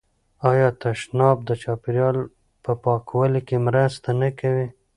آیا تشناب د چاپیریال په پاکوالي کې مرسته نه کوي؟